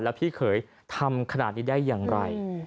แล้วพี่เขยทำขนาดนี้ได้อย่างไร